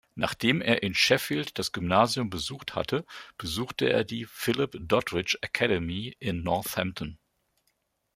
Nachdem er in Sheffield das Gymnasium besucht hatte, besuchte er die Philip-Doddridge-Akademie in Northampton.